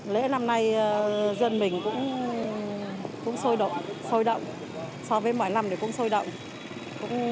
lễ năm nay dân mình cũng sôi động so với mọi năm thì cũng sôi động